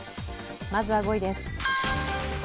まずは５位です。